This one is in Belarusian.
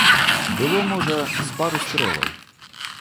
Было, можа, з пару стрэлаў.